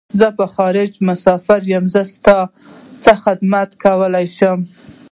زه په خارج کی مسافر یم . زه تاسو څه خدمت کولای شم